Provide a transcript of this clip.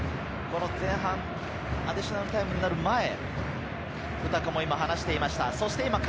アディショナルタイムになる前、ウタカも今、話していました。